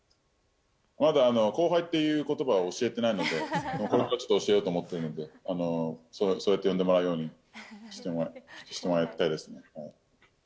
まだ後輩っていうことばを教えてないので、これからちょっと教えようと思っているので、そうやって呼んでもらえるようにしてもらいたいですね。